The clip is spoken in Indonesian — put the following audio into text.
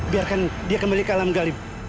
biarkan dia kembali ke alam galib